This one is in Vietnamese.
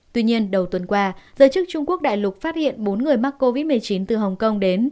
tuy nhiên đầu tuần qua giới chức trung quốc đại lục phát hiện bốn người mắc covid một mươi chín từ hồng kông đến